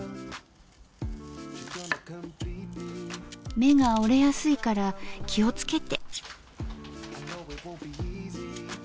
芽が折れやすいから気をつけて。